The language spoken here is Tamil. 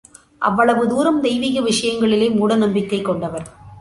அவ்வளவு தூரம் தெய்வீக விஷயங்களிலே மூட நம்பிக்கை கொண்டவர்.